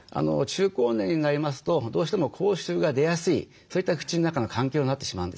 中高年になりますとどうしても口臭が出やすいそういった口の中の環境になってしまうんですよね。